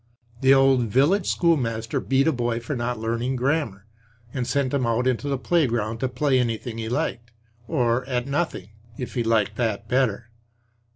The old village schoolmaster beat a boy for not learning grammar and sent him out into the playground to play anything he liked; or at nothing, if he liked that better.